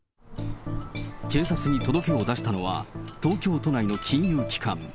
警察に届けを出したのは、東京都内の金融機関。